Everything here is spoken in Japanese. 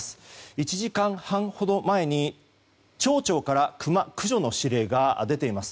１時間半ほど前に町長からクマ駆除の指令が出ています。